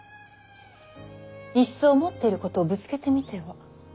いっそ思っていることをぶつけてみては。